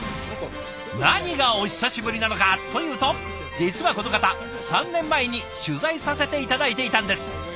何がお久しぶりなのかというと実はこの方３年前に取材させて頂いていたんです。